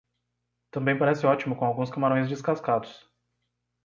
Também parece ótimo com alguns camarões descascados.